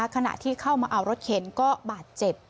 ขณะที่เข้ามาเอารถเข็นก็บาดเจ็บ